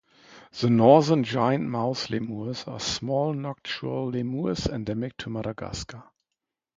The northern giant mouse lemurs are small nocturnal lemurs endemic to Madagascar.